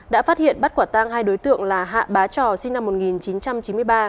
đã phát hiện bắt quả tang hai đối tượng là hạ bá trò sinh năm một nghìn chín trăm chín mươi ba